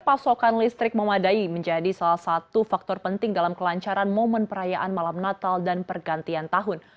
pasokan listrik memadai menjadi salah satu faktor penting dalam kelancaran momen perayaan malam natal dan pergantian tahun